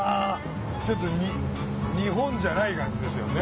ちょっと日本じゃない感じですよね。